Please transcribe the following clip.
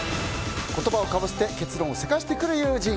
言葉をかぶせて結論をせかしてくる友人。